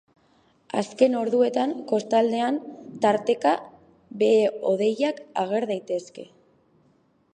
Azken orduetan kostaldean tarteka behe-hodeiak ager daitezke.